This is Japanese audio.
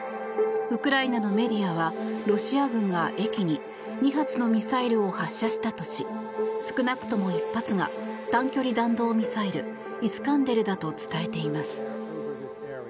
ウクライナのメディアはロシア軍が駅に２発のミサイルを発射したとし少なくとも１発が短距離弾道ミサイルイスカンデルだと伝えています。